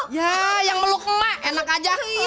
ya yang meluk mak enak aja